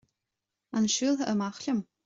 An siúlfá amach liom?